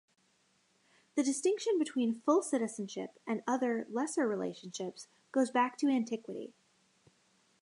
This distinction between full citizenship and other, lesser relationships goes back to antiquity.